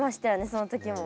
その時も。